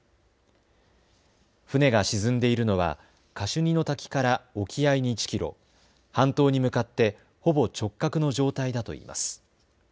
船が沈んでいるのはカシュニの滝から沖合に１キロ、半島に向かってほぼ直角の状態だといいます。